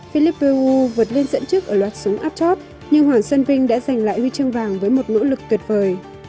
philippe wu vượt lên dẫn chức ở loạt súng up top nhưng hoàng xuân vinh đã giành lại ghi chương vàng với một nỗ lực tuyệt vời